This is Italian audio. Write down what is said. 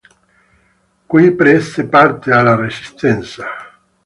Qui prese parte alla resistenza.